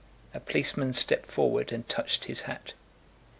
A policeman stepped forward and touched his hat.